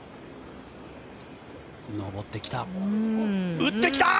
打ってきた！